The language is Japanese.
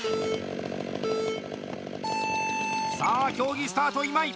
さあ競技スタート、今井。